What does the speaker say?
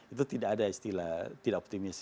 itu tidak ada istilah tidak optimis